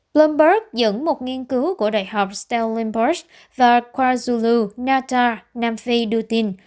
bloomberg dẫn một nghiên cứu của đại học stalingrad và kwazulu natal nam phi đưa tin